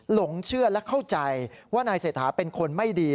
หลงเชื่อและเข้าใจว่านายเศรษฐาเป็นคนไม่ดี